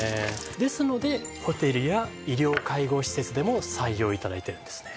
ですのでホテルや医療・介護施設でも採用頂いてるんですね。